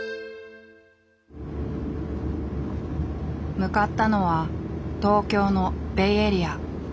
向かったのは東京のベイエリア。